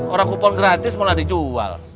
orang kupon gratis malah dijual